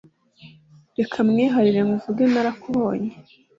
Reka nkwiharire nkuvuge narakubonye